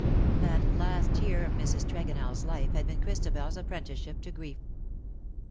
That last year of Mrs. TregonelFs life had been Chris tabel's apprenticeship to grief.